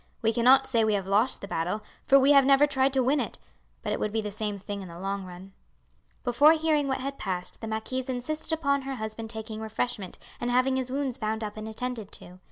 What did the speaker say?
We cannot say we have lost the battle, for we have never tried to win it; but it would be the same thing in the long run." Before hearing what had passed the marquise insisted upon her husband taking refreshment and having his wounds bound up and attended to.